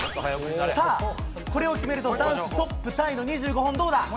さあ、これを決めると男子トップタイの２５本、どうだ？